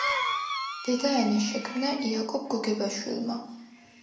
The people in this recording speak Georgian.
დედაენა შექმნა იაკობ გოგებაშვილმა